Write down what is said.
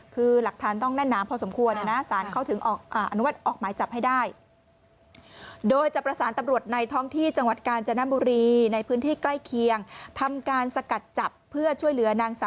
คือหลักฐานต้องแน่นน้ำพอสมควร